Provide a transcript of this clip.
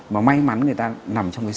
mà may mắn người ta nằm trong